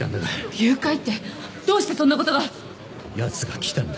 誘拐ってどうしてそんなことが！？やつが来たんだ。